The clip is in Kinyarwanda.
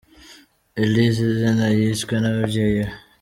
E: Elyse, izina yiswe n’ababyeyi be.